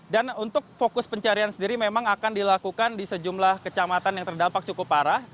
untuk fokus pencarian sendiri memang akan dilakukan di sejumlah kecamatan yang terdampak cukup parah